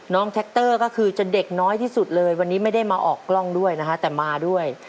แท็กเตอร์ก็คือจะเด็กน้อยที่สุดเลยวันนี้ไม่ได้มาออกกล้องด้วยนะคะแต่มาด้วย